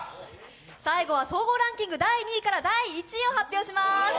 最後は総合ランキング第２位から第１位を発表します。